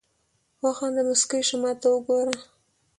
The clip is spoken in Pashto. وخانده مسکی شه ماته وګوره